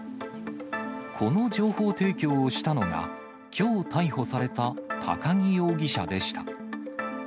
この情報提供をしたのが、きょう逮捕された高木容疑者でした。